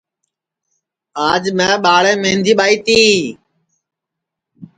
آج میں ٻاݪیم مہندی ٻائی تی